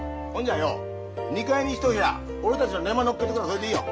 ２階にひと部屋俺たちの寝間のっけてくれりゃそれでいいよ。